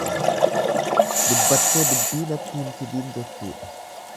Dubbattee dubbii natti hin fidiin jechuudha.